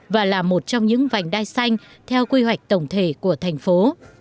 và là một trong những vành đai xanh theo quy hoạch tổng thể của thành phố